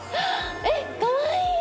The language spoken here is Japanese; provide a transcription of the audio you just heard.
えっかわいい！